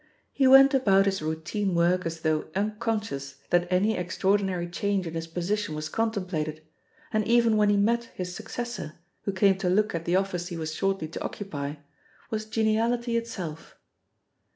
He went about his routine work as though unconscious that any extraordinary change in his position was contemplated, and even when he met his successor, who came to look at the office he was shortly to occupy, was geniality itself.